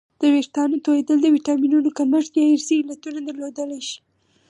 د وېښتانو تویدل د ویټامینونو کمښت یا ارثي علتونه درلودلی شي